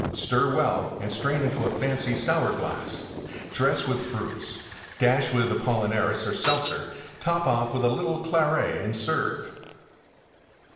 Stir well and strain into a fancy Sour glass; dress with Fruits; dash with Apollinaris or Seltzer; top off with a little Claret and serve.